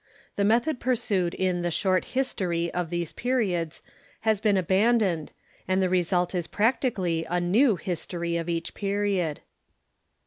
The method pursued in the Short Histor}^ of these periods has been abandoned, and the result is practically a new History of each period.